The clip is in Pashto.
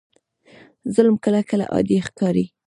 ظلم کله کله عادي ښکاري.